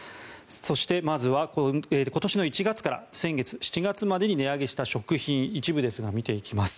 そして、まずは今年の１月から先月７月までに値上げした食料品の一部ですが見ていきます。